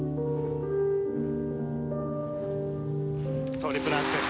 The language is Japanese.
トリプルアクセル。